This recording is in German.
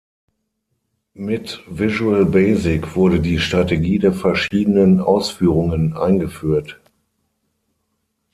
Mit Visual Basic wurde die Strategie der verschiedenen Ausführungen eingeführt.